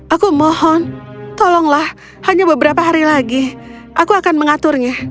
aku mohon tolonglah hanya beberapa hari lagi aku akan mengaturnya